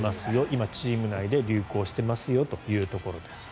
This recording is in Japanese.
今、チーム内で流行してますよというところです。